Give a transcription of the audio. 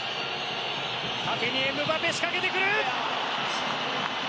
縦にエムバペ仕掛けてくる！